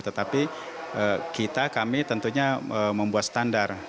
tetapi kita kami tentunya membuat standar